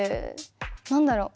何だろう？